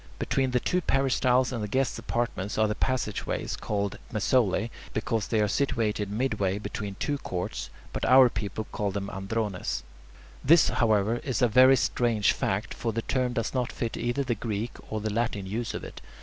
Between the two peristyles and the guests' apartments are the passage ways called "mesauloe," because they are situated midway between two courts; but our people called them "andrones." This, however, is a very strange fact, for the term does not fit either the Greek or the Latin use of it.